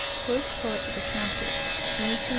(First Court of the county, E. C.